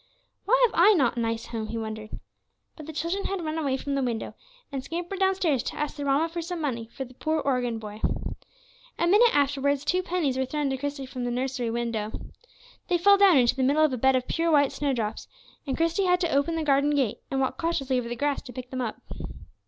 "Why have not I a nice home?" he wondered. But the children had run away from the window, and scampered downstairs to ask their mamma for some money for the poor organ boy. A minute afterwards two pennies were thrown to Christie from the nursery window. They fell down into the middle of a bed of pure white snowdrops, and Christie had to open the garden gate, and walk cautiously over the grass to pick them up.